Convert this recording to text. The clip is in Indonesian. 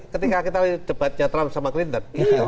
ketika kita debatnya trump sama clinton